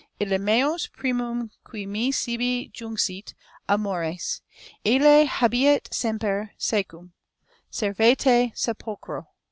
Ille meos, primum qui me sibi junxit, amores, Ille habeat semper secum, servetque Sepulchro."